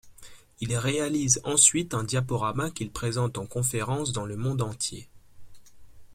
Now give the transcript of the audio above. Il réalise ensuite un diaporama qu'il présente en conférences dans le monde entier.